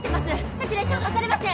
サチュレーション測れません